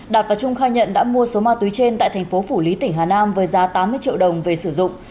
đạt và trung khai nhận đã mua số ma túy trên tại thành phố phủ lý tỉnh hà nam với giá tám mươi triệu đồng về sử dụng